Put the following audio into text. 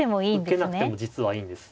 受けなくても実はいいんです。